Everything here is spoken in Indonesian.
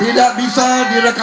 tidak bisa direkayasa